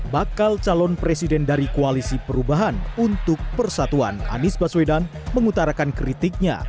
bakal calon presiden dari koalisi perubahan untuk persatuan anies baswedan mengutarakan kritiknya